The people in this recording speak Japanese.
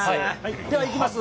ではいきます。